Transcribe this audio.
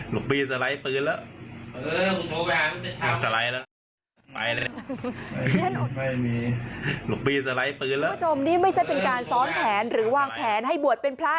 คุณผู้ชมนี่ไม่ใช่เป็นการซ้อนแผนหรือวางแผนให้บวชเป็นพระ